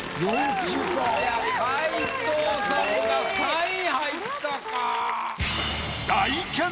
皆藤さんが３位入ったか。